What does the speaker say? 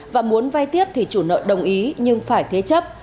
và muốn vay tiếp thì chủ nợ đồng ý nhưng phải thế chấp